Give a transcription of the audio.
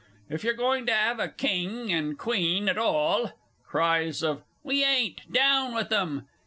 "_) If you're going to 'ave a King and Queen at all (_Cries of "We ain't! Down with 'em!"